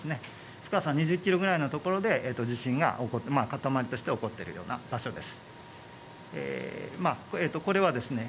深さ２０キロぐらいのところで地震がかたまりとして起こっているような場所です。